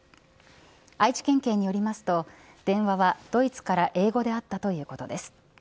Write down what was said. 愛知県警によりますと電話はドイツから英語であったということです。